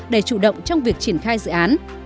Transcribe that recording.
để chủ động trong việc triển khai dự án